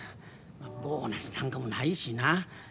ボーナスなんかもないしな。